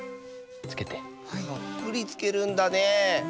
たっぷりつけるんだねえ。